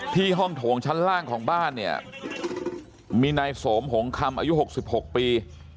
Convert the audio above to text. ห้องโถงชั้นล่างของบ้านเนี่ยมีนายสมหงคำอายุ๖๖ปี